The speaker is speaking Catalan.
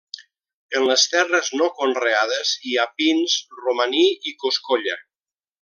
En les terres no conreades hi ha pins, romaní i coscolla.